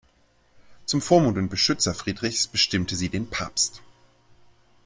Zum Vormund und Beschützer Friedrichs bestimmte sie den Papst.